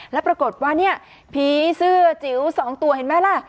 แล้วปรากฏว่าเนี่ยผีเสื้อจิ๋ว๒ตัวเห็นไหมล่ะ